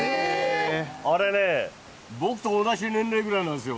あれね、僕と同じ年齢ぐらいなんですよ。